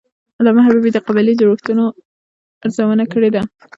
علامه حبیبي د قبایلي جوړښتونو ارزونه کړې ده.